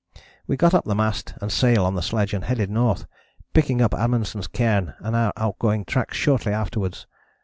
We got up the mast and sail on the sledge and headed north, picking up Amundsen's cairn and our outgoing tracks shortly afterwards.